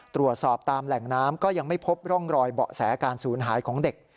ตรวจสอบตามแหล่งน้ำก็ยังไม่พบร่องรอยเบาะแสการศูนย์หายของเด็ก